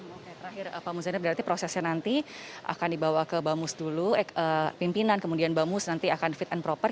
oke terakhir pak muzani berarti prosesnya nanti akan dibawa ke bamus dulu pimpinan kemudian bamus nanti akan fit and proper